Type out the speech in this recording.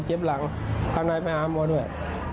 น้อยเจ็บหลังพ่อข้างในไม่เอาอ้าวเมืองด้วย